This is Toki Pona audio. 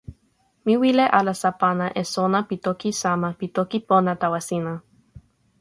mi wile alasa pana e sona pi toki sama pi toki pona tawa sina.